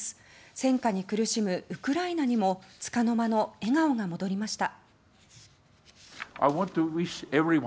戦禍に苦しむウクライナにもつかの間の笑顔が戻りました。